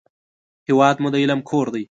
هېواد مو د علم کور دی